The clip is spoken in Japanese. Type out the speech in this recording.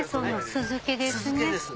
酢漬けです。